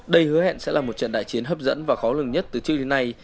đây hứa hẹn sẽ là một trận đại chiến hấp dẫn và khó lường nhất từ trước đến nay